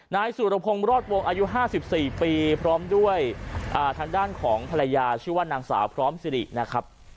นายสุรพงศ์รอดวงอายุ๕๔ปีพร้อมด้วยทางด้านของภรรยาชื่อว่านางสาวพร้อมซิรินะครับ